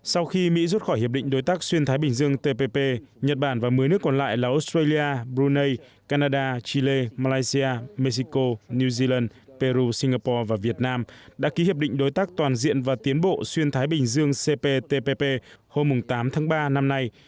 sau khi mỹ rút khỏi hiệp định đối tác xuyên thái bình dương tpp nhật bản và một mươi nước còn lại là australia brunei canada chile malaysia mexico new zealand peru singapore và việt nam đã ký hiệp định đối tác toàn diện và tiến bộ xuyên thái bình dương cptpp hôm tám tháng ba năm nay